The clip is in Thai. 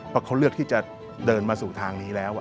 เพราะเขาเลือกที่จะเดินมาสู่ทางนี้แล้ว